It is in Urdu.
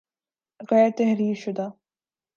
غیر تحریر شدہ